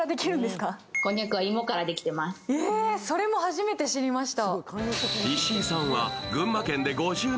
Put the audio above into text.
それも初めて知りました。